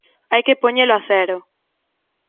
Hai que poñelo a cero.